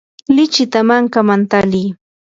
lichikita mankaman tali.